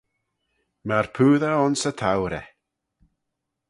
Myr poosey ayns y tourey.